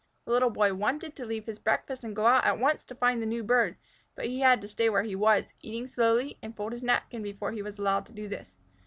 The Little Boy wanted to leave his breakfast and go out at once to find the new bird, but he had to stay where he was, eat slowly, and fold his napkin before he was allowed to do this.